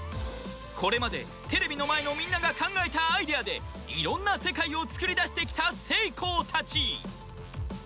これまでテレビのまえのみんながかんがえたアイデアでいろんなせかいをつくりだしてきたセイコーたち。